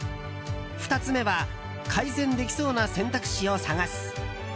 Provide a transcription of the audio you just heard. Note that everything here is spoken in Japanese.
２つ目は改善できそうな選択肢を探す。